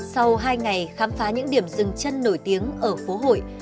sau hai ngày khám phá những điểm rừng chân nổi tiếng ở phố hội